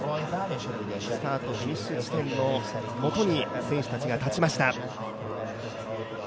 スタート、フィニッシュ地点のもとに選手たちが立ちました。